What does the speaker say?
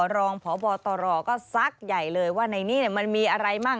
รองพบตรก็ซักใหญ่เลยว่าในนี้มันมีอะไรมั่ง